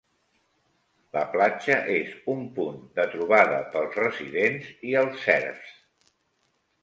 La platja és un punt de trobada pels residents i els serfs.